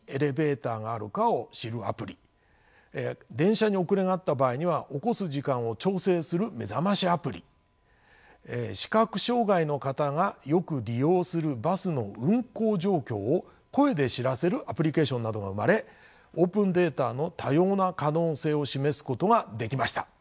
ターがあるかを知るアプリ電車に遅れがあった場合には起こす時間を調整する目覚ましアプリ視覚障害の方がよく利用するバスの運行状況を声で知らせるアプリケーションなどが生まれオープンデータの多様な可能性を示すことができました。